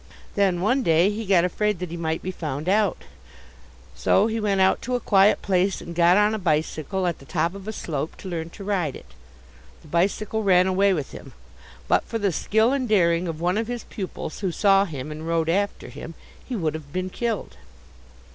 Then one day he got afraid that he might be found out. So he went out to a quiet place and got on a bicycle, at the top of a slope, to learn to ride it. The bicycle ran away with him. But for the skill and daring of one of his pupils, who saw him and rode after him, he would have been killed.